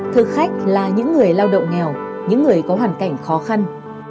thực khách là những người lao động nghèo những người có hoàn cảnh khó khăn